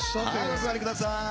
お座りください。